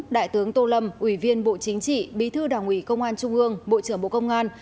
đại tướng tô lâm ủy viên bộ chính trị bí thư đảng ủy công an trung ương bộ trưởng bộ công an